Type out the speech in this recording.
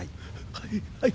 はいはい。